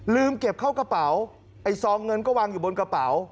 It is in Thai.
เก็บเข้ากระเป๋าไอ้ซองเงินก็วางอยู่บนกระเป๋า